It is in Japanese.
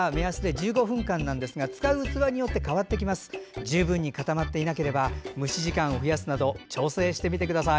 十分に固まっていなければ蒸し時間を増やすなど調整してみてください。